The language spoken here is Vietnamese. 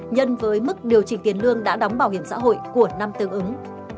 nhân với mức điều chỉnh tiền lương đã đóng bảo hiểm xã hội của năm tương ứng